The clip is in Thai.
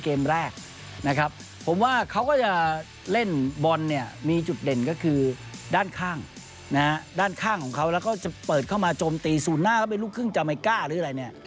เกมแรกนะครับผมว่าเขาก็จะเล่นบอลเนี่ยมีจุดเด่นก็คือด้านข้างนะฮะด้านข้างของเขาแล้วก็จะเปิดเข้ามาโจมตีศูนย์หน้าเขาเป็นลูกครึ่งจาเมก้าหรืออะไรเนี่ย